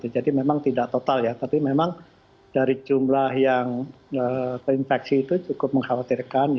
jadi memang tidak total ya tapi memang dari jumlah yang terinfeksi itu cukup mengkhawatirkan